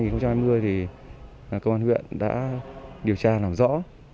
công an huyện đại từ đã điều tra làm rõ